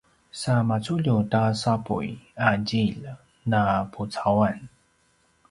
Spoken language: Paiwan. sa maculju ta sapuy a djilj na pucauan